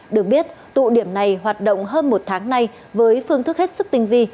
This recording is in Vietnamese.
được biết tụ điểm này hoạt động hơn một tháng nay với phương thức hết sức tinh vi